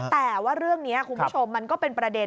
แต่ว่าเรื่องนี้คุณผู้ชมมันก็เป็นประเด็น